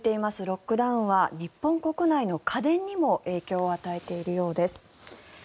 ロックダウンは日本国内の家電にも影響を与えているようです。